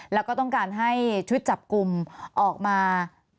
แล้วก็ต้องการให้ชุดจับกลุ่มออกมา